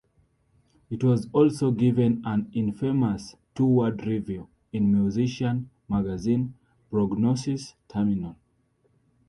It was also given an infamous two-word review in "Musician" magazine: "Prognosis: Terminal.